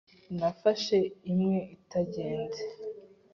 nafashe imwe itagenze,